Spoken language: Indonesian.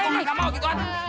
gak mau gitu an